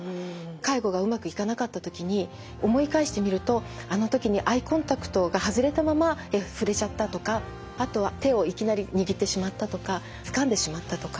介護がうまくいかなかったときに思い返してみるとあのときにアイコンタクトが外れたまま触れちゃったとかあとは手をいきなり握ってしまったとかつかんでしまったとか。